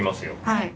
はい。